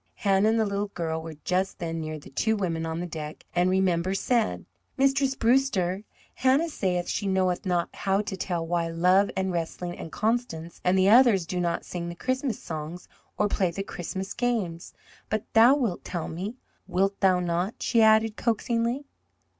Hannah and the little girl were just then near the two women on the deck, and Remember said: "Mistress Brewster, Hannah sayeth she knoweth not how to tell why Love and Wrestling and Constance and the others do not sing the Christmas songs or play the Christmas games. But thou wilt tell me wilt thou not?" she added coaxingly.